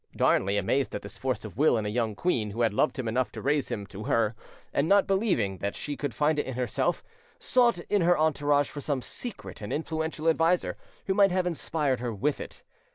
Darnley, amazed at this force of will in a young queen who had loved him enough to raise him to her, and not believing that she could find it in herself, sought in her entourage for some secret and influential adviser who might have inspired her with it.